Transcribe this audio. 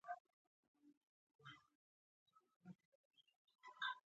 هغې زمانې ورستانه نه شو.